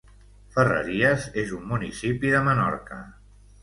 Ferreries és un municipi de Menorca.